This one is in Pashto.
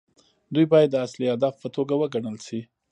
دوی باید د اصلي هدف په توګه وګڼل شي.